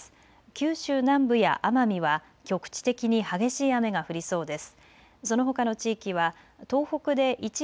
九州南部や奄美は局地的に激しい雨が降りそうです。